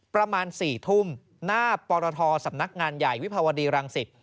ประมาณ๔ทุ่มหน้าปรทสำนักงานใหญ่วิภาวดีรังสิต